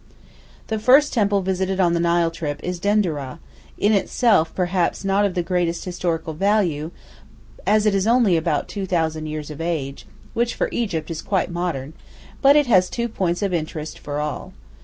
The first temple visited on the Nile trip is Dendereh, in itself perhaps not of the greatest historical value, as it is only about 2,000 years of age, which for Egypt is quite modern; but it has two points of interest for all.